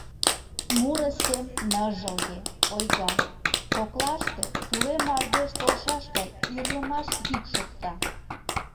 Муро сем ныжылге, ойган, коклаште туле мардеж толшаш гай ирлымаш йӱк шокта.